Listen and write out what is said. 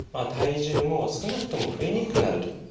体重も少なくとも増えにくくなると。